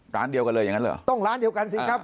ร้านเดียวกันเลยอย่างนั้นเหรอต้องร้านเดียวกันสิครับ